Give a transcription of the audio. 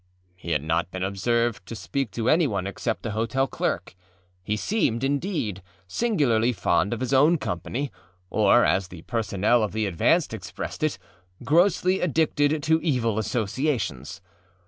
He had not been observed to speak to anyone except the hotel clerk. He seemed, indeed, singularly fond of his own companyâor, as the personnel of the Advance expressed it, âgrossly addicted to evil associations.